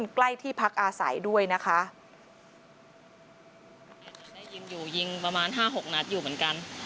ก็ใกล้ที่พักอาศัยด้วยนะคะ